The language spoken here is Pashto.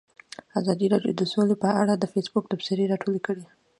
ازادي راډیو د سوله په اړه د فیسبوک تبصرې راټولې کړي.